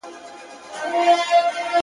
له یوه ورانه تر بل پوري به پلن وو.!